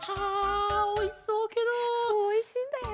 そうおいしいんだよ。